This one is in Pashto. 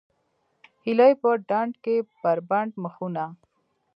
هیلۍ په ډنډ کې بربنډ مخونه